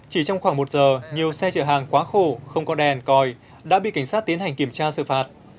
chỉ trong khoảng một giờ nhiều xe chở hàng quá khổ không có đèn còi đã bị cảnh sát tiến hành kiểm tra xử phạt